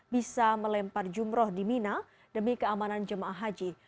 bisa melempar jumroh di mina demi keamanan jemaah haji